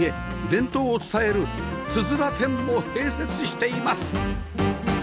伝統を伝えるつづら店も併設しています